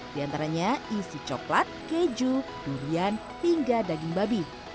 diantaranya isi coklat keju durian hingga daging babi